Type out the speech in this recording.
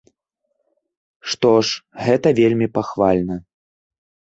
Што ж, гэта вельмі пахвальна.